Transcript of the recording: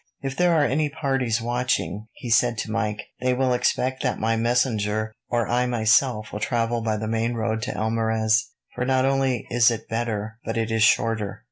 "If there are any parties watching," he said to Mike, "they will expect that my messenger, or I myself, will travel by the main road to Almarez, for not only is it better, but it is shorter.